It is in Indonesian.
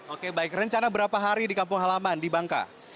oke baik rencana berapa hari di kampung halaman di bangka